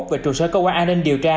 về trụ sở cơ quan an ninh điều tra